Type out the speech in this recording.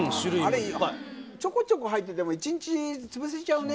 あれ、ちょこちょこ入ってても、１日潰せちゃうね。